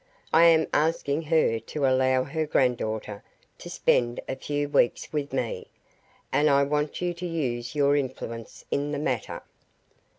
I am asking her to allow her grand daughter to spend a few weeks with me, and I want you to use your influence in the matter.